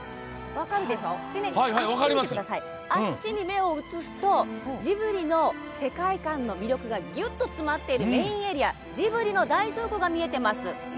あっちに目を移すとジブリの世界観の魅力がぎゅっと詰まっているメインエリアジブリの大倉庫が見えています。